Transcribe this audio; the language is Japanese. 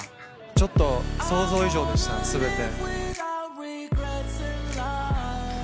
ちょっと想像以上でした全て。